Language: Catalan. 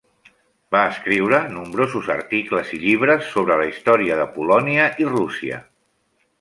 Va escriure nombrosos articles i llibres sobre la història de Polònia i Rússia.